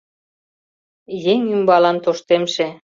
Еҥ ӱмбалан тоштемше